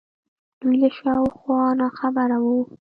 دوی له شا و خوا ناخبره وو